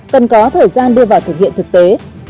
cần có thời gian đưa vào thực hiện thực tế